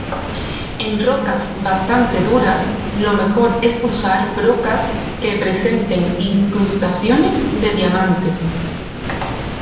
En rocas bastante duras lo mejor es usar brocas que presenten incrustaciones de diamantes.